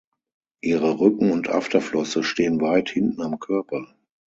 Ihre Rücken- und Afterflosse stehen weit hinten am Körper.